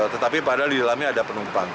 tetapi padahal di dalamnya ada penumpang